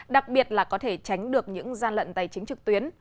đặc biệt là có thể tránh được những gian lận tài chính trực tuyến